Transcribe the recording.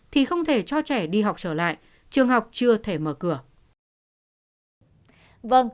thì không thể cho trẻ đi học trở lại trường học chưa thể mở cửa